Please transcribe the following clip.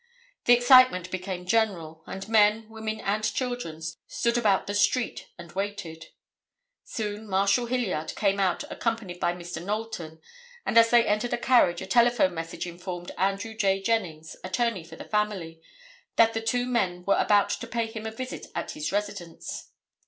The excitement became general, and men, women and children stood about the street and waited. Soon Marshal Hilliard came out accompanied by Mr. Knowlton, and as they entered a carriage a telephone message informed Andrew J. Jennings, attorney for the family, that the two men were about to pay him a visit at his residence.